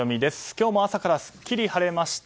今日も朝からすっきり晴れました。